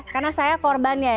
karena saya korbannya ini